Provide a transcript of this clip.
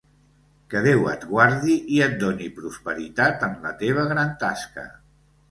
Que Déu et guardi i et doni prosperitat en la teva gran tasca.